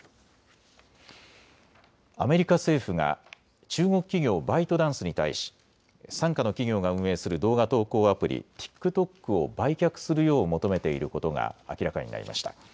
アメリカ政府が中国企業、バイトダンスに対し傘下の企業が運営する動画投稿アプリ、ＴｉｋＴｏｋを売却するよう求めていることが明らかになりました。